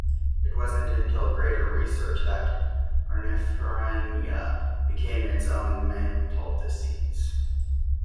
It wasn't until greater research that oneirophrenia became its own mental disease.